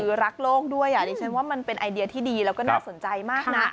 คือรักโลกด้วยดิฉันว่ามันเป็นไอเดียที่ดีแล้วก็น่าสนใจมากนะ